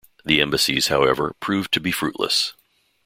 The embassies, however, proved to be fruitless.